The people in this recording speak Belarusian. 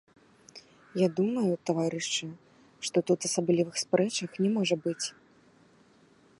Я думаю, таварышы, што тут асаблівых спрэчак не можа быць.